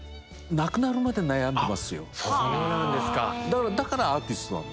彼はだからアーティストなの。